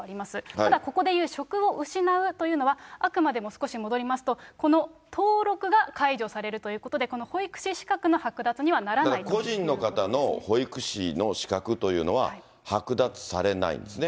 ただここでいう職を失うというのは、あくまでも少し戻りますと、この登録が解除されるということで、この保育士資格の剥奪にはな個人の方の保育士の資格というのは、剥奪されないんですね。